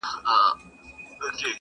په عین و شین و قاف کي هغه ټوله جنتونه,